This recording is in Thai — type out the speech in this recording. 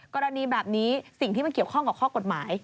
กรณีแบบนี้สิ่งที่มันเกี่ยวข้องกับข้อกฎหมาย